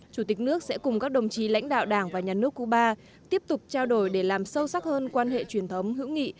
chủ tịch nước sẽ cùng các đồng chí lãnh đạo đảng và nhà nước cuba tiếp tục trao đổi để làm sâu sắc hơn quan hệ truyền thống hữu nghị